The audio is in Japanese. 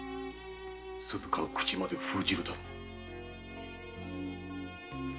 鈴加の口まで封じるだろう。